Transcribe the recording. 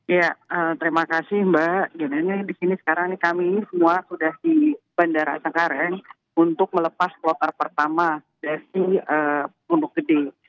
ya terima kasih mbak jenisnya disini sekarang kami semua sudah di bandara tenggareng untuk melepas flotar pertama dari punggung gede